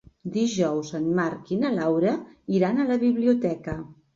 Dijous en Marc i na Laura iran a la biblioteca.